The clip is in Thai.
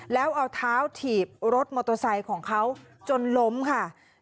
แล้วเอาเท้าถีบรถมอเตอร์ไซค์ของเขาจนล้มค่ะ